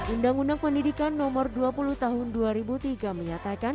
undang undang pendidikan nomor dua puluh tahun dua ribu tiga menyatakan